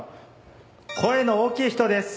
声の大きい人です